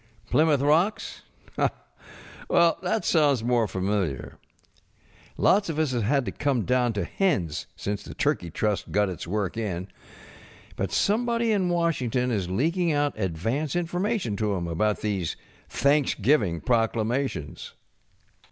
Plymouth Rocks ? Well, that sounds more familiar. Lots of us have had to come down to hens since the Turkey Trust got its work in. But somebody in Washington is leaking out advance information to ŌĆÖem about these Thanksgiving proclamations.